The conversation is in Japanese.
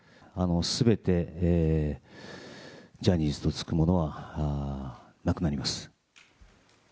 すべてジャニーズと付くものはなくなります。